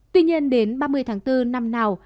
tuy nhiên đến ba mươi tháng bốn năm nào